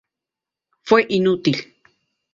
Fue inútil.